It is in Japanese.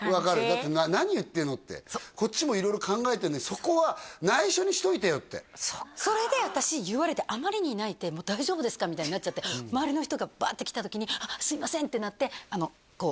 だって「何言ってんの？」ってこっちも色々考えてるのにそこは内緒にしといてよってそれで私言われてあまりに泣いてもう「大丈夫ですか？」みたいになっちゃって周りの人がバーッて来た時に「すいません」ってなって石？